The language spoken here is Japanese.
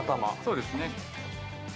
そうですね。